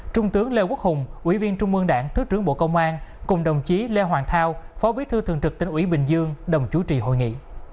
trung tướng lê quốc hùng ủy viên trung mương đảng thứ trưởng bộ công an cùng đồng chí lê hoàng thao phó bí thư thường trực tỉnh ủy bình dương đồng chủ trì hội nghị